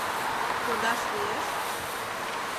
Йодаш лиеш?